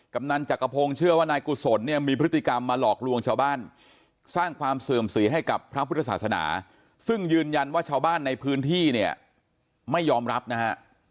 กำนันจักรพงศ์เชื่อว่านายกุศลเนี่ยมีพฤติกรรมมาหลอกลวงชาวบ้านสร้างความเสื่อมเสียให้กับพระพุทธศาสนาซึ่งยืนยันว่าชาวบ้านในพื้นที่เนี่ยไม่ยอมรับนะฮะ